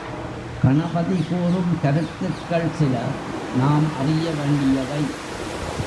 கணபதி கூறும் கருத்துக்கள் சில நாம் அறிய வேண்டியவை.